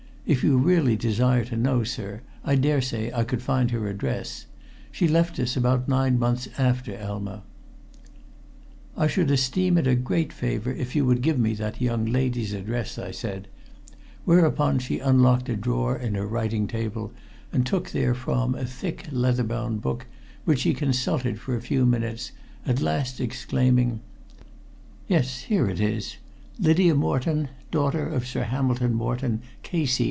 If you really desire to know, sir, I dare say I could find her address. She left us about nine months after Elma." "I should esteem it a great favor if you would give me that young lady's address," I said, whereupon she unlocked a drawer in her writing table and took therefrom a thick, leather bound book which she consulted for a few minutes, at last exclaiming: "Yes, here it is 'Lydia Moreton, daughter of Sir Hamilton Moreton, K.C.